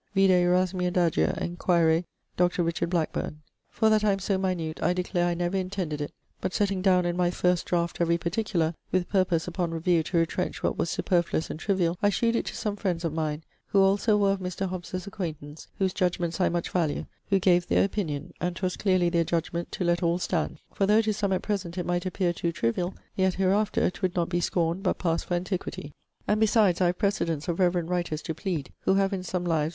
] Vide Erasmi Adagia and quaere Dr. Bl. For that I am so minute, I declare I never intended it, but setting downe in my first draught every particular, (with purpose, upon review, to retrench what was superfluous and triviall), I shewed it to some friends of mine (who also were of Mr. Hobbes's acquaintance) whose judgments I much value, who gave their opinion: and 'twas clearly their judgement, to let all stand; for though to soome at present it might appeare too triviall; yet hereafter 'twould not be scorned but passe for antiquity. And besides I have precedents of reverend writers to plead, who have in some lives[III.